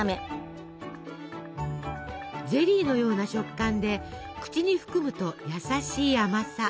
ゼリーのような食感で口に含むと優しい甘さ。